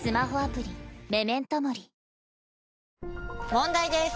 問題です！